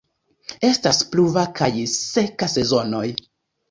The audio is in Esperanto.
Estas pluva kaj seka sezonoj.